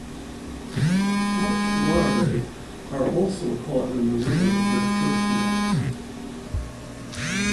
Hatched larvae are also caught in the river with drift nets.